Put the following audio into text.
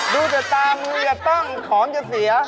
ดูจะตามมืออย่าตั้งขอมจะเสีย